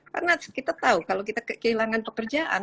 karena kita tahu kalau kita kehilangan pekerjaan